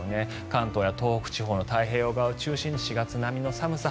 関東や東北地方の太平洋側を中心に４月並みの寒さ。